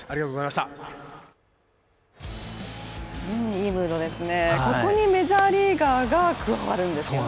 いいムードですね、ここにメジャーリーガーが加わるんですよね。